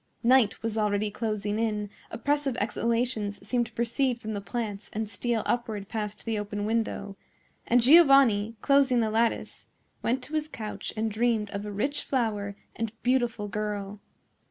Night was already closing in; oppressive exhalations seemed to proceed from the plants and steal upward past the open window; and Giovanni, closing the lattice, went to his couch and dreamed of a rich flower and beautiful girl.